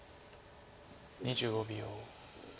２５秒。